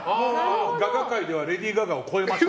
ガガ界ではレディー・ガガを超えました。